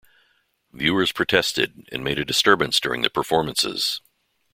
Viewers protested and made a disturbance during the performances.